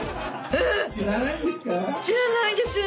「知らないんですか？」。